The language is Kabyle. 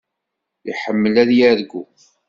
Iḥemmel ad yargu.